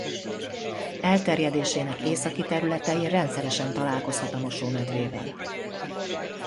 Elterjedésének északi területein rendszeresen találkozhat a mosómedvével.